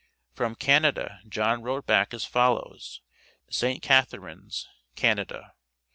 From Canada John wrote back as follows: ST. CATHARINES, Canada.